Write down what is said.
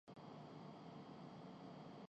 درحقیقت حکومت سوچاسمجھا خطرہ لے رہی ہے